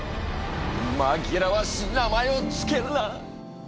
紛らわしい名前を付けるな！